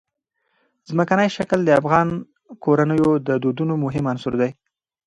ځمکنی شکل د افغان کورنیو د دودونو مهم عنصر دی.